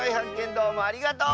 どうもありがとう！